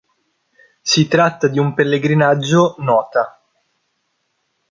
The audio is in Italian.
Si tratta di un pellegrinaggio nota.